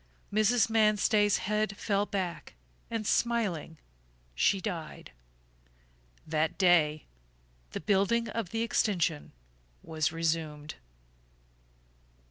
Mrs. Manstey's head fell back and smiling she died. That day the building of the extension was resumed.